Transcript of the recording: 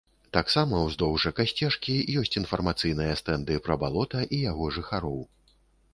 Таксама ўздоўж экасцежкі ёсць інфармацыйныя стэнды пра балота і яго жыхароў.